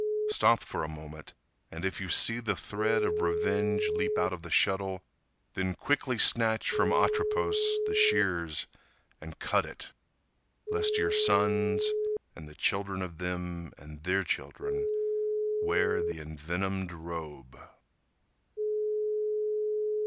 Stop for a moment, and if you see The thread of revenge leap out of the shuttle Then quickly snatch from Atropos The shears and cut it, lest your sons And the children of them and their children Wear the envenomed robe.